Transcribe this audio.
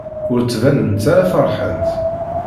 Ur ttbanent ara feṛḥent.